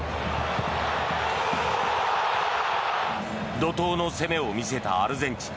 怒とうの攻めを見せたアルゼンチン。